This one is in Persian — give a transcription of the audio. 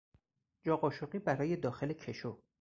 جا قاشقی برای داخل کشو